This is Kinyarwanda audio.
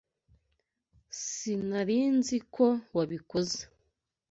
Sinari nzi ko wabikoze